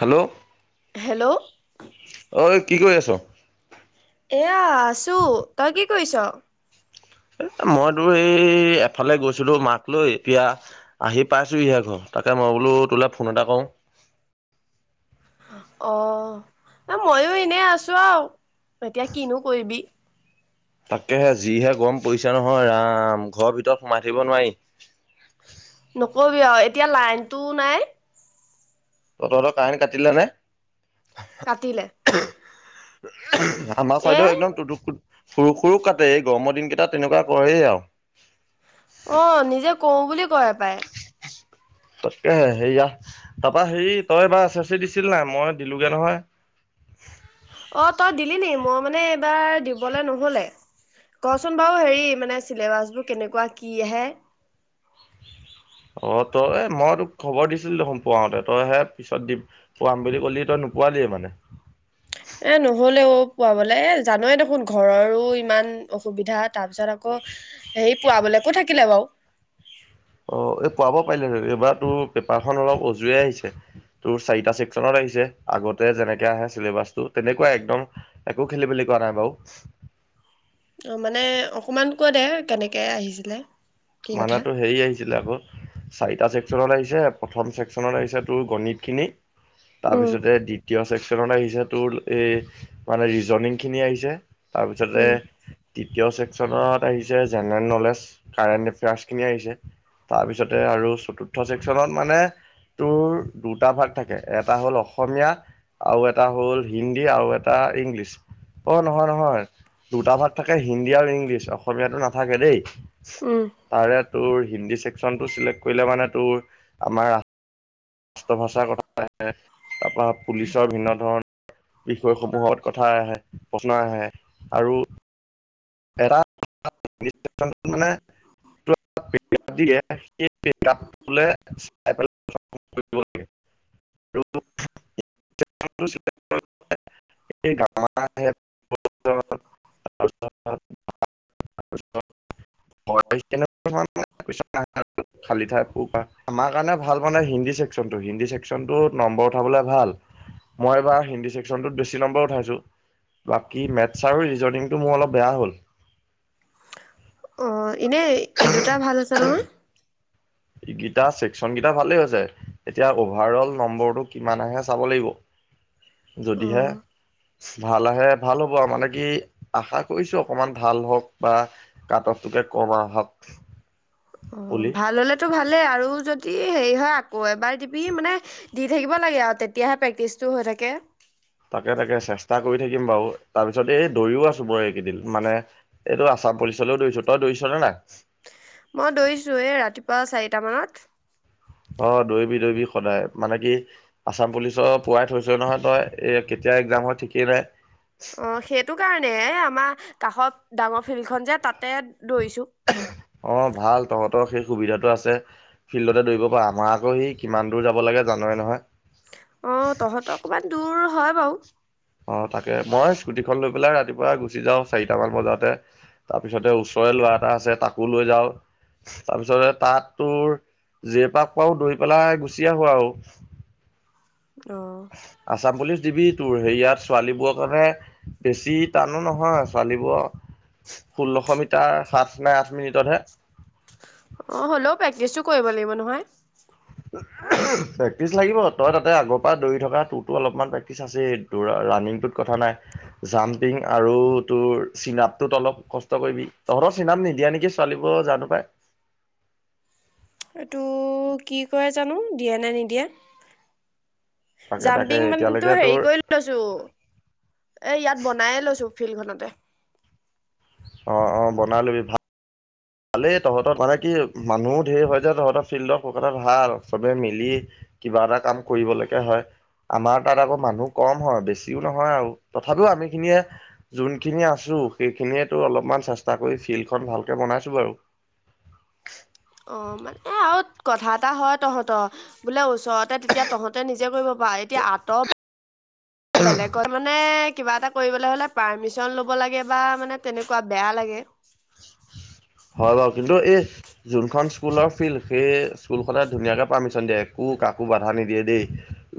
Hello? Hello? ঐ কি কৰি আছ? এয়া আছোঁ। তই কি কৰিছ? এই মই তোৰ এই এফালে গৈছিলোঁ মাক লৈ, এতিয়া আহি পাইছোঁহিহে ঘৰ, তাকে মই বোলো তোলৈ ফোন এটা কৰোঁ। অ' মইও এনে আছোঁ আও, এতিয়া কিনো কৰিবি। তাকেহে, যিহে গৰম পৰিছে নহয় ৰাম, ঘৰৰ ভিতৰত সোমাই থাকিব নোৱাৰি। নকবি আৰু, এতিয়া লাইনটোও নাই। অ' তহঁতৰ কাৰেণ্ট কাটিলে নে? কাটিলে আমাৰ এ চাইডেও একদম টুটুক সুৰুক সুৰুক কাটে। এই গৰমৰ দিনকেইটা তেনেকুৱা কৰেই আও। অ' নিজে কৰোঁ বুলি কৰে পায়। তাকে হেইয়া, তাৰপা হেৰি তই এবাৰ এছ এছ চি দিছিল নাই? মই দিলোগে নহয়। অ', তই দিলি নি? মই মানে এইবাৰ দিবলে নহ'লে। কচোন বাৰু হেৰি মানে ছিলেবাছবোৰ কেনেকুৱা, কি আহে? অ' তই মই তোক খবৰ দিছিল দেখোন পোৱাওঁতে, তইহে পিছত দিম পোৱাম বুলি ক'লি, তই নোপোৱালিয়ে মানে? এ নহ'লে অ' পোৱাবলে। এ জানৱে দেখোন, ঘৰৰো ইমান অসুবিধা, তাৰ পিছত আক' হেৰি পোৱাবলৈকো থাকিলে বাৰু। অ' এই পোৱাব পাৰিলে হয়। এইবাৰ তোৰ পেপাৰখন অলপ অজুৱে আহিছে। তোৰ চাৰিটা ছেক্সনত আহিছে। আগতে যেনেকে আহে ছিলেবাছটো, তেনেকুৱাই একদম একো খেলিমেলি কৰা নাই বাও। অ' মানে অকমান কৈ দে, কেনেকে আহিছিলে। কি কথা মানে তোৰ হেৰি আহিছিলে আক' চাৰিটা ছেক্সনত আহিছে, প্ৰথম ছেক্সনত আহিছে তোৰ গণিতখিনি, উম তাৰপিছতে দ্বি তীয় ছেক্সনত আহিছে তোৰ এই মানে ৰিজনংখিনি আহিছে। তাৰপিছতে উম তৃতীয় ছেক্সনত আহিছে জেনেৰেল ন'লেজ, কাৰেন্ট অ টাষ্টখিনিয়ে আহিছে তাৰপিছতে আৰু চতুৰ্থ চেকচনত মানে তোৰ দুটা ভাগ থাকে এটা হ'ল অসমীয়া। আৰু এটা হ'ল হিন্দী আৰু এটা ইংলিছ। অ' নহয়, নহয় দুটা ভাগ থাকে হিন্দী আৰু ইংলিছ অসমীয়াটো নাথাকে দেই। উম, তাৰে তোৰ হিন্দী চছেকচনটো চিলেক্ট কৰিলে মানে তোৰ আমাৰ ৰাষ্ট্ৰ ভাষাৰ কথাে [unintelligible] তাৰপা পুলিচৰ ভিন্ন ধৰণৰ। বিষয়সমূহত কথা আহে প্ৰশ্ন আহে আৰু এ মানে [unintelligible] [unintelligible] [unintelligible] এই গাঁৱ আহ [unintelligible] নে [unintelligible] [unintelligible] খালি ঠাই পূৰ কৰাআমাৰ কাৰণে ভাল মানে হিন্দী চছেকচনটো হি কোয়েচন নম্বৰ উঠাব ভাল মই এইবাৰ হিন্দী চছেকনত বেছি নম্বৰ উঠাইছো। বাকী মেথছ আৰু ৰিজনিংটো মোৰ অলপ বেয়া হ'ল। অ' এনেই এই দুটা ভাল হৈছে নহয়? ইগিটা চেকচনকেইটা গিটাৰ ভালে হৈছে এতিয়া অভাৰ অল নম্বৰটো কিমান আহে চাব লাগিব। অ যদিহে ভাল আহে ভাল হ'ব আৰু মানে কি আশা কৰিছো অকমান ভাল হওক বা কাতকটোকে কম আহক। অ' বুলি ভাল হ'লেতো ভালেই আৰু যদি হেৰি হয় আকৌ এবাৰ দিবি মানে দি থাকিব লাগে আৰু তেতিয়াহে প্ৰেক্টিচটো হৈ থাকে। তাকে তাকে চেষ্টা কৰি থাকিম বাৰু তাৰপিছত এই দৰিও আছো বৰ এইকেইদিন মানে এইটো আছাম পুলিচলৈও দৰিছো তই দৌৰিছ নে নাই? মই দৌৰিছো এ ৰাতিপুৱা চাৰিটা মানত। অ' দৌৰিবি, দৌৰিবি সদায় মানে কি আছাম পুলিচৰ পোৱাই থৈছ নহয় তই এ কেতিয়া একজাম হয় থঠিকেই নাই। অ' সেইটো কাৰণে এই আমাৰ কাষত ডাঙৰ ফিল্ডখন যে তাতে দৌৰিছো। অ' ভাল তহঁতৰ সেই সুবিধাটো আছে। ফিল্ডতে দৌৰিব পাও আমাৰ আকৌ সি কিমান দূৰ যাব লাগে জানৱে নহয়। অ' তহঁতক অকণমান দূৰ হয় বাৰু। অ' তাকে মই স্কুটিখন লৈ পেলাই ৰাতিপুৱা গুচি যাওঁ চাৰিটামান বজাতে। তাৰ পিছতে ওচৰৰে ল'ৰা এটা আছে তাকো লৈ যাওঁ। তাৰ পিছতে তাত তোৰ জেপাক পাও দৌৰি পেলাই গুচি আহো আৰু। অ', আছাম পুলিচ দিবি তোৰ হেইয়াত ছোৱালীবোৰৰ কাৰণেহে বেছি টানো নহয় ছোৱালী বোৰৰ ষোল্লশ মিটাৰ সাত নে আঠ মিনিটতহে। অ' হ'লেও প্ৰেক্টিচো কৰিব লাগিব নহয়। প্ৰেক্টিচ লাগিব তইটো তাতে আগৰ পৰা দৌৰি থকা তোৰতো অলপমান প্ৰেক্টিচ আছেই। তোৰ ৰানিংটোত কথা নাই। জাম্পিং আৰু তোৰ চিনাপটোত অলপ কষ্ট কৰিবি তহঁতৰ চিনাপ নিদিয়ে নেকি? পোৱালিবোৰৰ জানো পায়। এটো কি কৰে জানোঁ দিয়ে নে নিদিয়ে। তাকে তাকে জাম্পিং মানটো এতিয়ালৈকে হেৰি তোৰ কৰিল লৈছোঁ এ, ইয়াত বনাই লৈছোঁ ফিলখনতে। অ', অ', বনা ললি ভা ভালেই তহঁত্ মানে কি মানুহও ধে হয় যে তহঁত ফিল্ডত [unintelligible] ভাল চবে মিলি কিবা এটা কাম কৰিবলেকে হয়। আমাৰ তাত আকৌ মানুহ কম হয় বেছিও নহয় আৰু তথাপিও আমি খিনিয়ে যোনখিনি আছোঁ সেইখিনিয়ে তোৰ অলপমান চেষ্টা কৰি ফিলখন ভালকে বনাইছোঁ বাৰু। অ', মা এ, আওত কথা এটা হয় তহঁত্ বোলে ওচৰতে তেতিয়া তহঁতে নিজে কৰিব [unintelligible] এতিয়া আঁতপ বেলেগ [unintelligible] মানে কিবা এটাক কৰিবলে হ'লে পাৰ্মিচন ল'ব লাগে বা মানে তেনেকুৱা বেয়া লাগে। হয় বাও কিন্তু এস যোনখন স্কুলৰ ফিল সে স্কুলখনে ধুনীয়াকে পাৰ্মিচন দিয়ে একো কাকো বাধা নিদিয়ে দেই।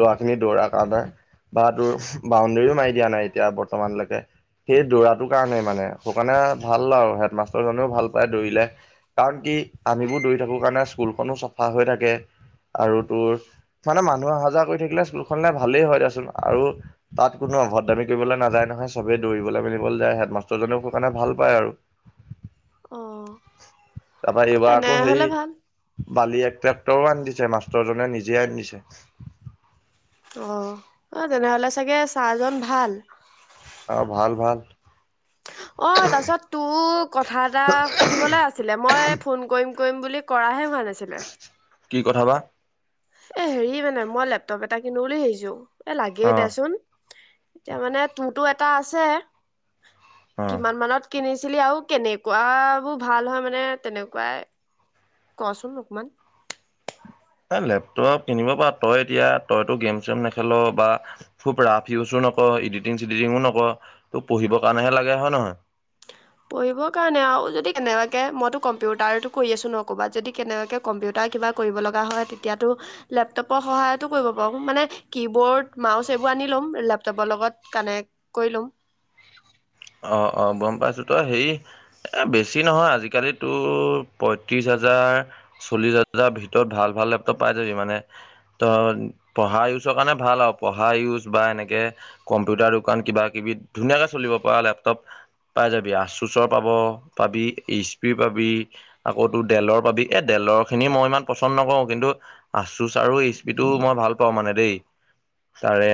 ল'ৰা খিনি দৌৰা কাম হে বা তোৰ বাউণ্ডেৰীও মাৰি দিয়া নাই এতিয়া বৰ্তমানলেকে। সেই দৌৰাটো কাৰণে মানে সৌকাণে ভাল আৰু হেডমাষ্টৰ জনেও ভাল [unintelligible] দৌৰিলে কাৰণ কি আমিবোৰ দৌৰি থাকোঁ কাৰণে স্কুলখনো চফা হৈ থাকে। আৰু তোৰ মানে মানুহ অহা যোৱা কৰি থাকিলে স্কুলখনলে ভালেই হয় দেচোন আৰু তাত কোনো অভদ দামী কৰিবলে নাযায় নহয় চবে দৌৰিবলে মেলিবলে যায় হেডমাষ্টাৰজনেও স কাণে ভাল পায় আৰু। অ'। তাপা এইবা আকৌ হেই তেনেহলে ভাল বালি এক ট্ৰেক্টৰো আনদিছে মাষ্টৰজনে নিজে আনদিছে। অ', এ, তেনেহ'লে চাগে ছাৰজন ভাল। অ', ভাল ভাল। অ', তাছত তো কথা এটা সুধিবলে আছিলে মই ফোন কইম কইম বুলি কৰাহে হোৱা নাছিলে। কি কথা বা? এ, হেৰি মানে মই লেপটপ এটা কিনো বুলি ভাইছো এ, লাগেই অ দেচোন। এতিয়া মানে তোতো এটা আছে অ কিমান মানত কিনিছিলি আও কেনেকুৱা বো ভাল হয় মানে তেনেকুৱাই ক চোন অকোমান এ, লেপটপ কিনিব পাঅ তই এতিয়া তইতো গেম চেম নেখেল বা খুব ৰাফ ইউচো নকৱ ইডিটিং চিদিটিঙো নক ত' পঢ়িব কাঅণেহে লাগে হয় নহয় পঢ়িব কাৰণে আও যদি কেনেবাকে মইতো কম্পিউটাৰতো কৰি আছোঁ ন ক'বাত যদি কেনেবাকে কম্পিউটা কিবা কৰিব লগা হয় তেতিয়াতো লেপটপ্ সহায়তো কৰিব পাৰোঁ মানে কি বৰ্ড, মাউচ এইবো আনি ল'ম লেপটপ লগত কানেক কই লম অ', অ', গম পাইছোঁ ত হেই এ, বেছি নহয় আজিকালি তোৰ পয়ত্ৰিশ হাজাৰ চল্লিশ হাজাৰ ভিতৰত ভাল ভাল লেপটপ পাই যাবি মানে ত' পঢ়া ইউচ্ কাৰণে ভাল আও পঢ়া ইউচ বা এনেকে কম্পিউটা দোকান কিবা কিবি ধুনীয়াকে চলিব পআ লেপটপ পাই যাবি আচোচৰ পাব পাবি এইচপি পাবি আকৌ তোৰ ডেলৰ পাবি এ, ডেলৰ খিনি মই ইমান পচন নকও কিন্তু আচোচ আৰু এইচপিটো মই ভাল পাওঁ মানে দেই তাৰে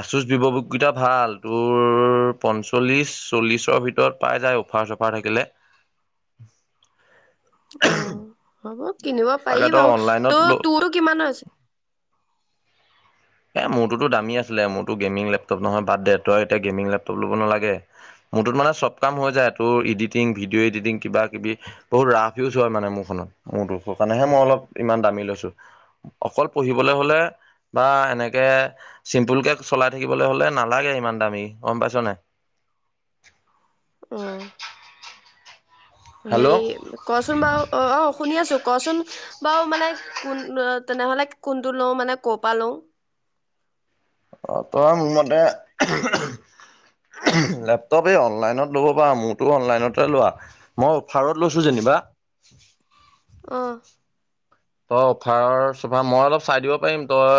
আচুচ [unintelligible] কিটা ভাল তোৰ পঞ্চল্লিছ, চল্লিছ্ ভিতৰত পাই যায় অফাৰ চফাৰ থাকিলে। অ' হ'ব কিনিব পাৰি তাকেতো বাৰু, অনলাইনত ল ত' তোৰটো কিমানৰ আছে? এ মোৰটোতো দামী আছিলে, মোৰতো গেমিং লেপটপ নহয়, বাদ দে তই এতিয়া গেমিং লেপটপ ল'ব নালাগে। মোৰটোত মানে চব কাম হৈ যায়। তোৰ ইডিটিং, ভিডিঅ' এডিটিং কিবাকিবি। বহুত ৰাফ ইউজ হয় মানে মোৰখনত, মোৰ দুখৰ কাৰণেহে মই অলপ ইমান দামী লৈছো। অকল পঢ়িবলে হলে, বা এনেকে চিম্পুল কে চলাই থাকিবলে হলে নালাগে ইমান দামী, গম পাইছ নাই? উম'। হেৰি হেল্ল' কচোন বাৰু অ‌, অ। শুনি আছো, কচোন বাৰু মানে কোন তেনেহলে কোনটো লওঁ মানে ক'ৰ পা লওঁ? অ' তই মোৰ মতে লেপটপ। অনলাইনত ল'ব পাৰ, মোৰতো অনলাইনতে লোৱা, মই অফাৰত লৈছো যেনিবা। অ'। তই অফাৰ চফাৰ, মই অলপ চাই দিব পাৰিম। তই,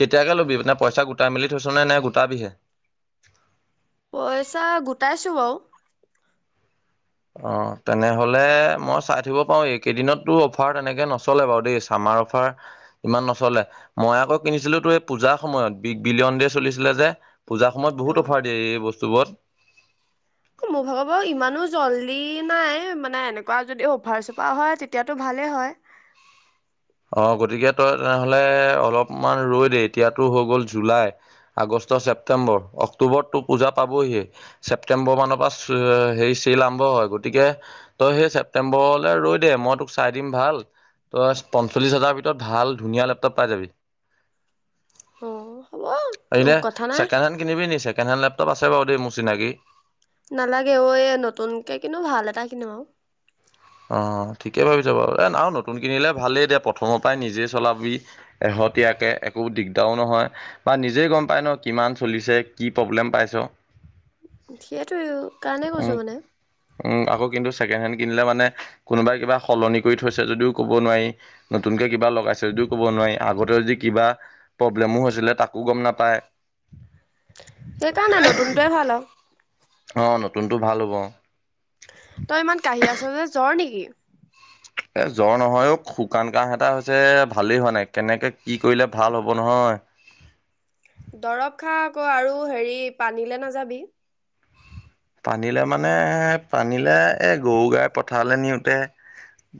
কেতিয়াকে লবি? মানে পইচা গোটাই মেলি থৈছ নে গোটাবিহে? পইচা গোটাইছোঁ বাও। অ' তেনেহলে মই চাই থাকিব পাৰো, এইকেইদিনত তোৰ অফাৰ তেনেকে নচলে বাৰু দেই, চামাৰ অফাৰ। ইমান নচলে, মই আকৌ কিনিছিলো তোৰ এই পূজাৰ সময়ত, বিগ বিলিয়ন দে চলিছিলে যে। পূজাৰ সময়ত অ বহুত অফাৰ দিয়ে এই বস্তুবোৰত। মোৰ ভাগৰ বাৰু ইমানো জল্দি নাই, মানে এনেকুৱা যদি অফাৰ চফাৰ হয় তেতিয়াতো ভালেই হয়। অ' গতিকে তই তেনেহলে অলপমান ৰৈ দে, এতিয়াতো হৈ গ'ল জুলাই। আগষ্ট, ছেপ্টেম্বৰ, অক্টোবৰত তোৰ পূজা পাবহিয়ে। ছেপ্টেম্বৰ মানৰ পা হেৰি, চেল আৰম্ভ হয়। গতিকে তই সে ছেপটেম্বৰলে ৰৈ দে, মই তোক চাই দিম ভাল। পঞ্চল্লিছ হাজাৰ ভিতৰত ভাল ধুনীয়া লেপটপ পাই যাবি। অ'। উম, এনে কথা নাই চেকেণ্ড হেণ কিনিবি নি? ছেকেডেণ্ড লেপটপ আছে বাৰু দেই মোৰ চিনাকি। নালাগে অ' এ নতুনকে কিনো ভাল এটা কিনো। অ' ঠিকেই ভাবিছ বাৰু, এ আৰু নতুন কিনিলে ভালেই দে প্ৰথমৰ পাই নিজে চলাবি। এশহতীয়াকে একো দিগদাৰো নহয়। বা নিজেই গম পাই ন, কিমান চলিছে কি প্ৰব্লেম পাইছ। সেইটো কাৰণেই উম কৈছোঁ মানে। উম' আকৌ কিন্তু ছেকেণ্ড হেণ্ড কিনিলে মানে কোনোবাই কিবা সলনি কৰি থৈছে যদিও কব নোৱাৰি। নতুনকে কিবা লগাইছে যদিও কব নোৱাৰি, আগতে যদি কিবা প্ৰব্লেমো হৈছিলে তাকো গম নাপায়। সেইকাৰণে নতুনটোৱে ভাল আৰু অ' নতুনতটো ভাল হব। তই ইমান কাঁহি আছ যে জ্বৰ নিকি? এ জ্বৰ নহয় অ', শুকান কাহ এটা হৈছে ভালেই হোৱা নাই কেনেকে কি কৰিলে ভাল হ'ব নহয়। দৰব খা আক, আৰু হেৰি পানীলে নাযাবি। পানীলে মানে পানীলে এই গৰু গাই পথাৰলে নিওঁতে।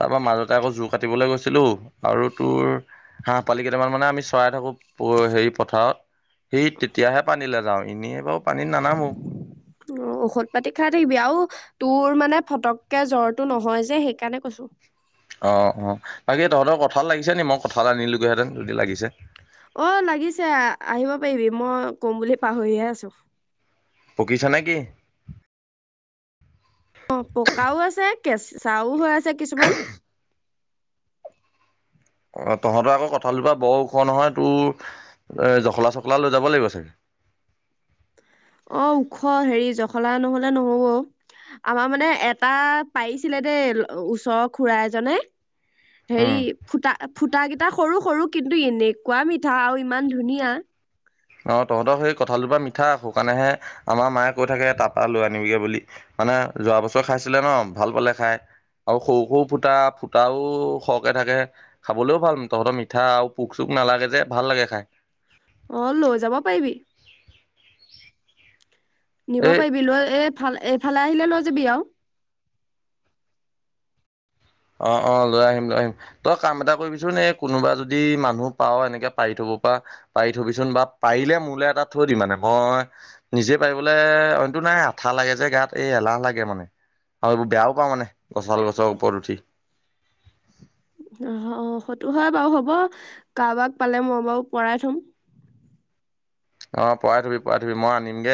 তাপা মাজতে আক জোৰ কাটিবলে গৈছিলো, আৰু তোৰ হাঁহ পোৱালি কেইটামান মানে আমি চৰাই থাকো, হেৰি পথাৰত। সেই তেতিয়াহে পানীলে যাওঁ, এনেই বাৰু পানীত নানামো। অ' ঔষধ পাতি খাই থাকিবি আৰু তোৰ মানে ফটককে জ্বৰটো নহয় যে সেইকাৰণে কৈছো। অ' অ' বাকী তহঁতৰ কঠাল লাগিছে নি? মই কঁঠাল আনিলোগে হেঁতেন যদি লাগিছে। অ লাগিছে আহিব পাৰিবি মই কম বুলি কয় পাহৰিহে আছোঁ। পকিছে নেকি? অ পকাও আছে কেঁচাও হৈ আছে কিছুমান। অ তহঁতৰ আকৌ কঁঠালজোপা বৰ ওখ নহয়, তোৰ এ জখলা চখলা লৈ যাব লাগিব চাগে? অ ওখ, হেৰি জখলা নহলে নহব। আমাৰ মানে এটা পাৰিছিলে দেই ওচৰৰ খুৰা এজনে হেৰি, উম ফুটা, ফুটা, কিটা সৰু সৰু। কিন্তু এনেকুৱা মিঠা আৰু ইমান ধুনীয়া। অ', তহঁতৰ সেই কঠাল জোপা মিঠা, সেই কাৰণেহে আমাৰ মায়ে কৈ থাকে, তাৰ পৰা লৈ আনিবগে বুলি। মানে যোৱা বছৰ খাইছিলে ন', ভাল পালে খাই। আৰু সৰু সৰু ফুটা, ফুটাও সৰকে থাকে। খাবলৈও ভাল, তহঁতৰ মিঠা আৰু পোক চোক নালাগে যে ভাল লাগে খাই। অ', লৈ যাব পাৰিবি। নিব এই পাৰিবি, লয় এইফাল, এইফালে আহিলে লৈ যাবি আৰু। অ', অ', লৈ আহিম, লৈ আহিম। তই কাম এটা কৰিবিচোন, এই কোনোবা যদি মানুহ পাৱ, এনেকে পাৰি থব পৰা পাৰি থবিচোন বা পাৰিলে মোৰলে এটাত থয় দিবি মানে, মই নিজে পাৰিবলৈ অইনটো নাই, আঠা লাগে যে গাত, এই এলাহ লাগে মানে। আৰু এইবোৰ বেয়াও পাওঁ মানে, কঠাল গছৰ ওপৰত উঠি। অ', সেইটো হয় বাৰু, হ'ব কাৰোবাক পালে মই বাৰু পৰাই থম। অ', পৰাই থবি, পৰাই থবি, মই আনিমগে।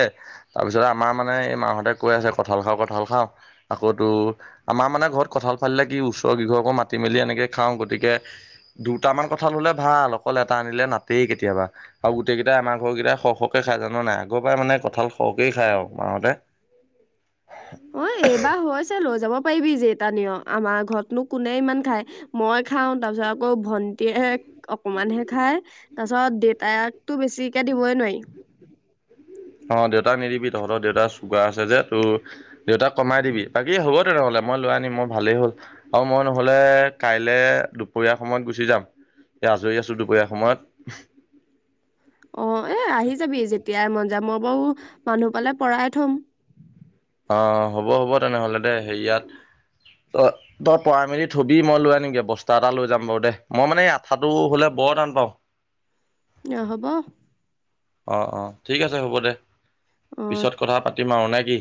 তাৰপিছত আমাৰ মানে এই মাহঁতে কৈ আছে, কঁঠাল খাওঁ, কঁঠাল খাওঁ আকৌ তোৰ আমাৰ মানে ঘৰত কঁঠাল ফালিলে কি, ওচৰ কি ঘৰকো মাতি মেলি এনেকে খাওঁ, গতিকে দুটামান কঠাল হলে ভাল, অকল এটা আনিলে নাঠেই কেতিয়াবা, আৰু গোটেই কেইটাই আমাৰ ঘৰৰ কেইটা, সৰহ সৰহকে খাই, জানা নাই, আগৰ পৰাই মানে কঁঠাল সৰহকেইয খায় আৰু মাহঁতে। হৈছে, লৈ যাব পাৰিবি, যেইটা নিয়, আমাৰ ঘৰতনো কোনে ইমান খায়। মই খাওঁ, তাৰপিছত আকৌ ভন্টীয়ে, অকমানহে খাই। তাৰ পিছত, দেউতাকতো বেছিকে দিবইে নোৱাৰি। অ', দেউতাক নিদিবি, তহঁতৰ দেউতাৰ চুগাৰ আছে যে তোৰ, দেউতাক কমাই দিবি, বাকী হ'ব নহ'লে, মই লৈ আনিম, মই ভালেই হ'ল। আৰু মই নহ'লে কাইলে দুপৰীয়াৰ সময়ত গুচি যাম, এই আজৰি আছো দুপৰীয়াৰ সময়ত। অ', এ আহি যাবি, যেতিয়াই মন যায়, মই বাৰু মানুহ পালে পৰাই থম। অ', হ'ব, হ'ব তেনেহলে দে, হেৰি ইয়াত তই পৰাই মেলি থবি, মই লৈ আনিমগে বস্তা এটা লৈ যাম বাৰু দে, মই মানে এই আঠাটো হ'লে বৰ টান পাওঁ। অ', হ'ব। অঁ, অঁ, ঠিক আছে হ'ব দে, অ পিছত কথা পাতিম আৰু নে কি?